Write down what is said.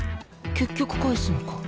結局返すのか。